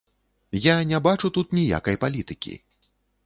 Я не бачу тут ніякай палітыкі.